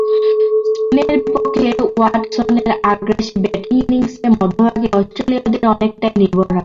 স্পিনের বিপক্ষে ওয়াটসনের আগ্রাসী ব্যাটিং ইনিংসের মধ্যভাগে অস্ট্রেলীয়দের অনেকটাই নির্ভার রাখবে।